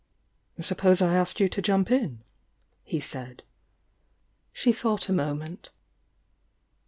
"Suppose I asked you to jump in?" he said. She thought a moment.